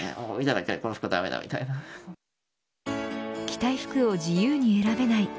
着たい服を自由に選べない。